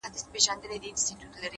هره تېروتنه د پوهې یوه بیه ده’